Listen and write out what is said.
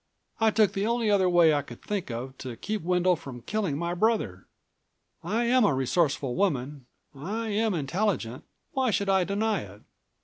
I took the only other way I could think of to keep Wendel from killing my brother. I am a resourceful woman, I am intelligent ... why should I deny it?